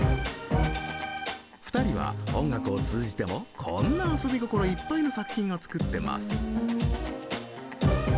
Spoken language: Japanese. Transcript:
２人は音楽を通じてもこんな遊び心いっぱいの作品を作ってます。